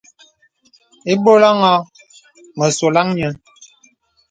Ìbɔlàŋ ɔ̄ɔ̄ mə sɔlaŋ nyɛ.